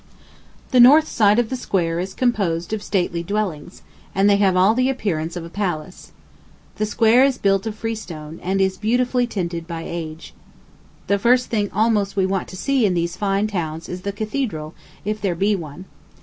The north side of the square is composed of stately dwellings, and they have all the appearance of a palace. The square is built of freestone, and is beautifully tinted by age. The first thing almost we want to see in these fine towns is the cathedral, if there be one.